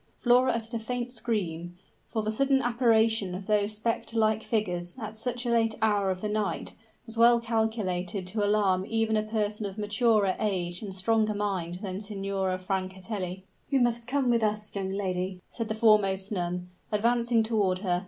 Flora uttered a faint scream for the sudden apparition of those specter like figures, at such a late hour of the night, was well calculated to alarm even a person of maturer age and stronger mind than Signora Francatelli. "You must accompany us, young lady," said the foremost nun, advancing toward her.